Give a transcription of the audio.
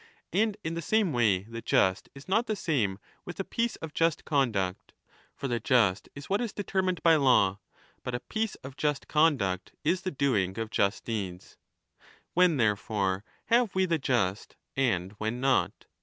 And in the same way the just is not the same with a piece of just conduct. For the just is w'hat is determined by law, but a piece of just conduct is the doing of just deeds. When, therefore, have we the just, and when not?